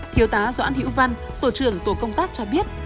thiếu tá doãn hữu văn tổ trưởng tổ công tác cho biết